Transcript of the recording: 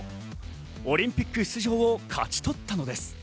オリンピック出場を勝ち取ったのです。